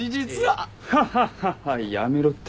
ハハハハやめろって。